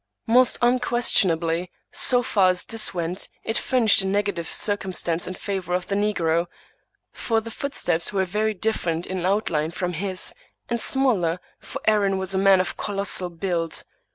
Most unquestionably, so far as this went, it furnished a negative circumstance in favor of the negro, for the footsteps were very different in outline from his, and smaller, for Aaron was a man of colossal build.